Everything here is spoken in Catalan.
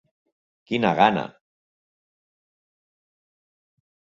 Quina gana!